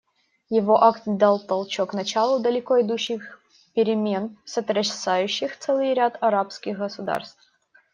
Его акт дал толчок началу далеко идущих перемен, сотрясающих целый ряд арабских государств.